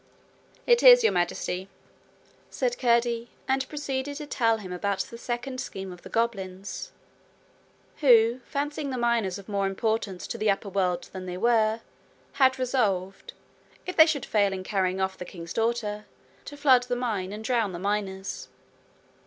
'It is, Your Majesty,' said Curdie; and proceeded to tell him about the second scheme of the goblins, who, fancying the miners of more importance to the upper world than they were, had resolved, if they should fail in carrying off the king's daughter, to flood the mine and drown the miners.